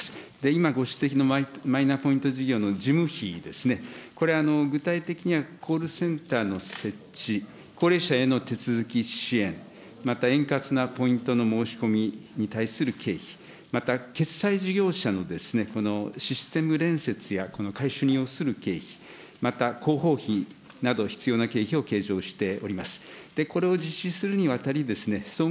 今ご指摘のマイナポイント事業の事務費ですね、これ、具体的にはコールセンターの設置、高齢者への手続き支援、また円滑なポイントの申し込みに対する経費、また決済事業者のシステム連接や等をする経費、また広報費など、必要な経費を計上しております。